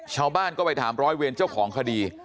ชาวบ้านก็ไปถามร้อยเวรเจ้าของคดี